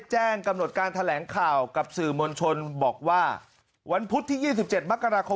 แจ้งกำหนดการแถลงข่าวกับสื่อมวลชนบอกว่าวันพุธที่๒๗มกราคม